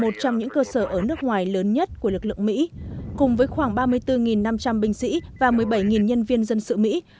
trong những cơ sở ở nước ngoài lớn nhất của lực lượng mỹ cùng với khoảng ba mươi bốn năm trăm linh binh sĩ và một mươi bảy nhân viên dân sự mỹ